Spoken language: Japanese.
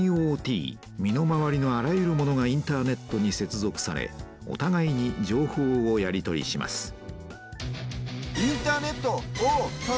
身の回りのあらゆるものがインターネットに接続されおたがいに情報をやり取りします